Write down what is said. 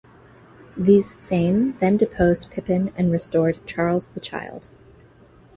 These same then deposed Pippin and restored Charles the Child.